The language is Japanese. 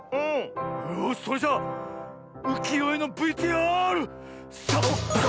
よしそれじゃうきよえのＶＴＲサボッカーン！